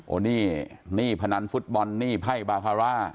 โอนี่นี่พนันฟุตบอลนี่ไพรบาคารา